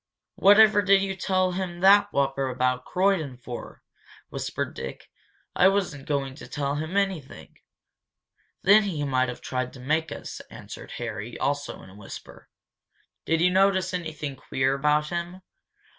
"Whatever did you tell him that whopper about Croydon for?" whispered Dick. "I wasn't going to tell him anything " "Then he might have tried to make us," answered Harry, also in a whisper. "Did you notice anything queer about him?"